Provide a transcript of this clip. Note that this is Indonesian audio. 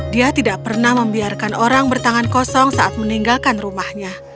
dia tidak pernah membiarkan orang bertangan kosong saat meninggalkan rumahnya